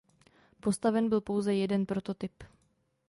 Postaven byl pouze jeden prototyp.